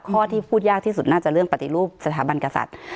ข้อที่พูดยากที่สุดน่าจะเรื่องปฏิรูปสถาบันกษัตริย์